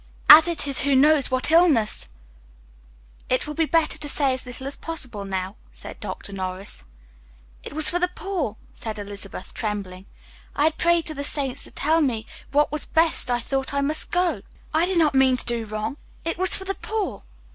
"As it is who knows what illness " "It will be better to say as little as possible now," said Dr. Norris. "It was for the poor," said Elizabeth, trembling. "I had prayed to the Saints to tell me what was best I thought I must go. I did not mean to do wrong. It was for the poor."